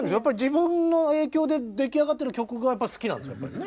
自分の影響で出来上がってる曲が好きなんでしょうね。